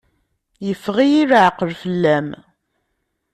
Yeffeɣ-iyi leɛqel fell-am.